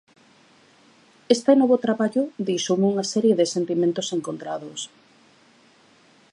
Este novo traballo deixoume unha serie de sentimentos encontrados.